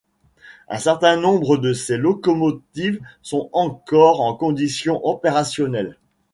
Un certain nombre de ces locomotives sont encore en condition opérationnelle.